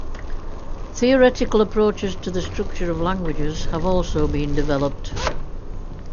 Theoretical approaches to the structure of languages have also been developed.